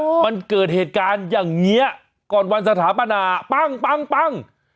มันเกิดเหตุการณ์อย่างเงี้ยก่อนวันสถาปนาปั้งปั้งปั้ง